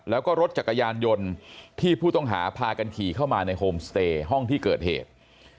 แล้วก็รถจักรยานยนต์ที่ผู้ต้องหาพากันขี่เข้ามาในโฮมสเตย์ห้องที่เกิดเหตุ